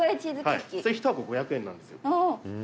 １箱５００円なんですよ。